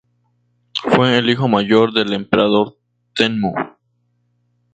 Fue el hijo mayor del Emperador Tenmu.